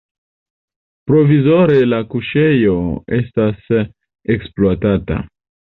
Provizore la kuŝejo ne estas ekspluatata.